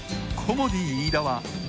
コモディイイダ。